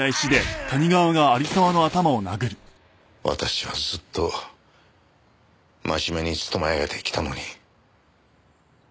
私はずっと真面目に勤め上げてきたのに。